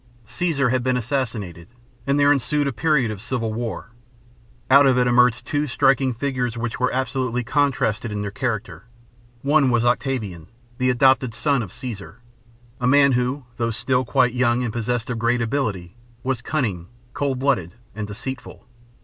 Caesar had been assassinated, and there ensued a period of civil war. Out of it emerged two striking figures which were absolutely contrasted in their character. One was Octavian, the adopted son of Caesar, a man who, though still quite young and possessed of great ability, was cunning, cold blooded, and deceitful.